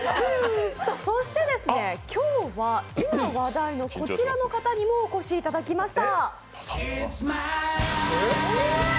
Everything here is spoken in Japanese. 今日は、今話題のこちらの方にもお越しいただきました。